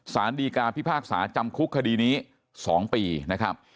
สารดีกาพิพากษาจำคุกคดีนี้๒ปีนะครับ